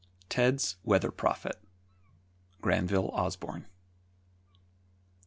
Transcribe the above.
TED'S WEATHER PROPHET. GRANVILLE OSBORNE.